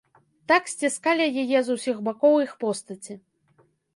Так сціскалі яе з усіх бакоў іх постаці.